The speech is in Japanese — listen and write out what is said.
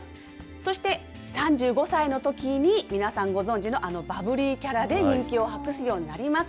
そして３５歳のときに、皆さんご存じの、あのバブリーキャラで人気を博すようになります。